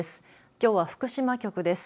きょうは、福島局です。